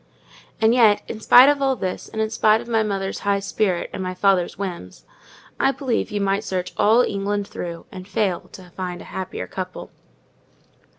And yet, in spite of all this, and in spite of my mother's high spirit and my father's whims, I believe you might search all England through, and fail to find a happier couple.